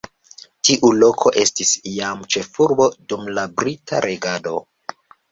Tiu loko estis jam ĉefurbo dum la brita regado.